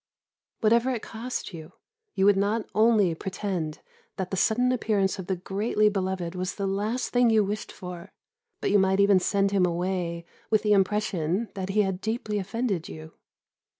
Whatever it cost you, you would not only pretend that the sudden appearance of the greatly beloved was the last thing you wished for, but you might even send him away with the impression that he had deeply offended you.